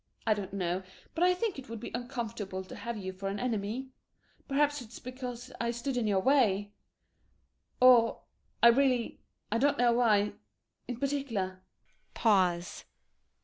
I don't know, but I think it would be uncomfortable to have you for an enemy. Perhaps it's because I stood in your way [rallentando] or I really don't know why in particular. [Pause.